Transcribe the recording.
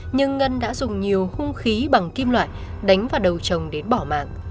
nhưng ngân đã dùng nhiều hung khí bằng kim loại đánh vào đầu chồng đến bỏ mạng